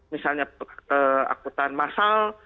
misalnya angkutan masal